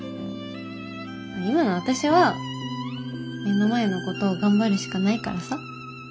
今の私は目の前のことを頑張るしかないからさ。